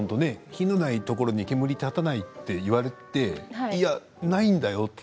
火のないところに煙は立たないって言われていや、ないんだよって。